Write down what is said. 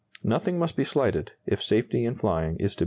Nothing must be slighted, if safety in flying is to be assured.